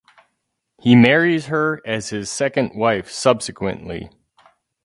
He marries her as his second wife subsequently.